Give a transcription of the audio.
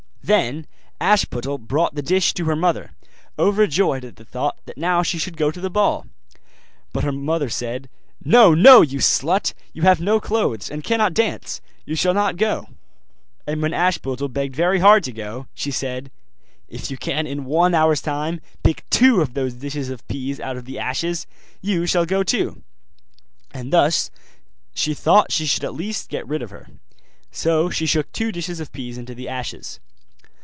Then Ashputtel brought the dish to her mother, overjoyed at the thought that now she should go to the ball. But the mother said, 'No, no! you slut, you have no clothes, and cannot dance; you shall not go.' And when Ashputtel begged very hard to go, she said, 'If you can in one hour's time pick two of those dishes of peas out of the ashes, you shall go too.' And thus she thought she should at least get rid of her. So she shook two dishes of peas into the ashes.